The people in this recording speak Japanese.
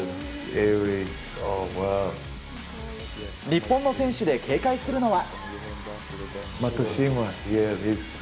日本の選手で警戒するのは？